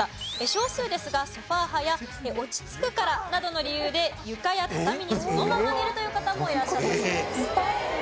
少数ですがソファ派や「落ち着くから」などの理由で床や畳にそのまま寝るという方もいらっしゃったそうなんです。